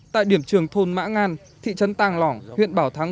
tại điểm trường thôn mã ngan thị trấn tàng lỏng huyện bảo thắng